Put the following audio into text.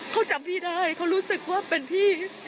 เขาจำพี่ได้เขารู้สึกว่าเป็นพี่